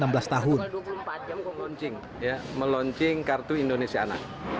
pemerintah kota bekasi telah meluncing kartu indonesia anak